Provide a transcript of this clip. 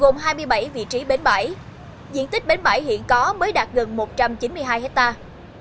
gồm hai mươi bảy vị trí bến bãi diện tích bến bãi hiện có mới đạt gần một trăm chín mươi hai hectare